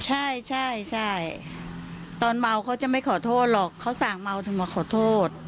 ใช่ใช่ตอนเมาเขาจะไม่ขอโทษหรอกเขาสั่งเมาเธอมาขอโทษ